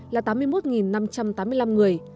là tám mươi một năm trăm tám mươi năm người